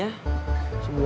sampai jumpa lagi